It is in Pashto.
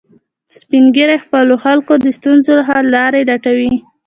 سپین ږیری د خپلو خلکو د ستونزو حل لارې لټوي